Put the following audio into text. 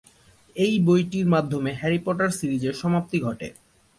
এ বইটির মাধ্যমে Harry Potter সিরিজের সমাপ্তি ঘটে।